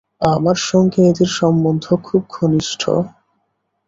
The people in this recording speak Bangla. আমার সঙ্গে এঁদের সম্বন্ধ খুব ঘনিষ্ঠ।